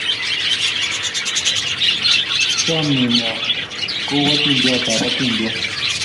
Chamienyo ko u atindiot ab atindiot